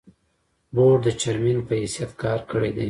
بورډ د چېرمين پۀ حېثيت کار کړے دے ۔